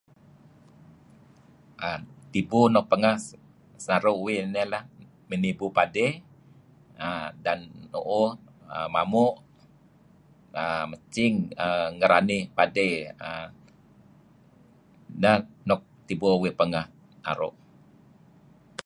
Sibu nuk pangeh sinaru' uih ninu padi, dan nuuh, mamu' macing tibu nuk pangeh sinaru' uih leh. Padi may nuuh mamu' macing ngeranih padi iih neh nuk pangeh sinaru' uih.